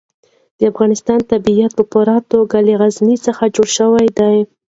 د افغانستان طبیعت په پوره توګه له غزني څخه جوړ شوی دی.